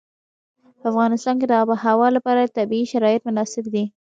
په افغانستان کې د آب وهوا لپاره طبیعي شرایط مناسب دي.